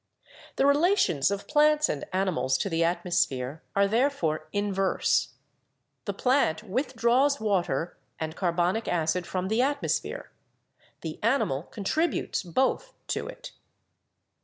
The relations of plants and animals to the atmosphere are therefore inverse. The plant withdraws water and car bonic acid from the atmosphere, the animal contributes both to it.